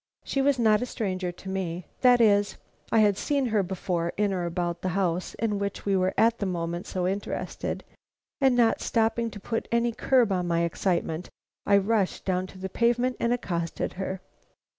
She was not a stranger to me; that is, I had seen her before in or about the house in which we were at that moment so interested; and not stopping to put any curb on my excitement, I rushed down to the pavement and accosted her.